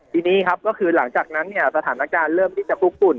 ทีนี้ครับก็คือหลังจากนั้นเนี่ยสถานการณ์เริ่มที่จะคลุกฝุ่น